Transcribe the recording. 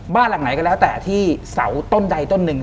บ้านหลังไหนก็แล้วแต่ที่เสาต้นใดต้นหนึ่ง